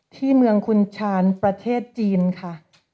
ที่เมืองคุณชาญประเทศจีนค่ะ